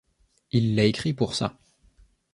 Il l’a écrit pour ça.